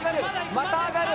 また上がる。